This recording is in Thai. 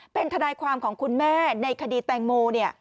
เป็นทนายความของคุณแม่ในคดีแตงโมเนี่ย